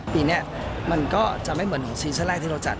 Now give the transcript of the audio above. ปีเนี่ยมันก็จะไม่เหมือนที่เราจัด